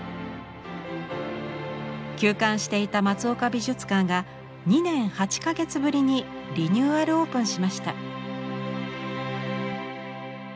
休館していた松岡美術館が２年８か月ぶりにリニューアルオープンしました。